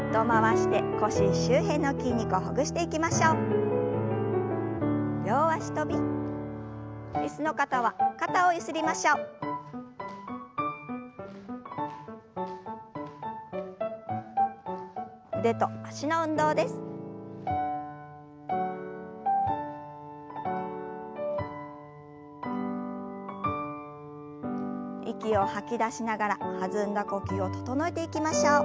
息を吐き出しながら弾んだ呼吸を整えていきましょう。